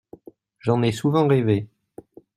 J’en ai souvent rêvé.